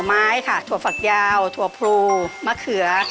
ได้แล้วก็ตักใส่หม้อเลยค่ะ